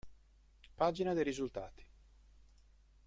Pagina dei risultati